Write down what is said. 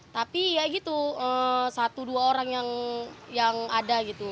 tapi ya gitu satu dua orang yang ada gitu